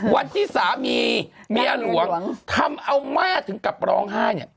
วันที่สามีเมียหลวงทำเอาแม่ถึงกับร้องไห้เนี่ย